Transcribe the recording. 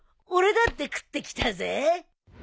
俺だって食ってきたぜ。